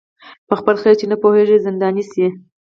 په خپل خیر چي نه پوهیږي زنداني سي